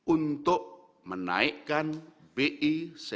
untuk menaikkan bi tujuh belas